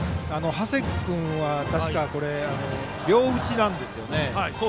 長谷君は確か両打ちなんですよね。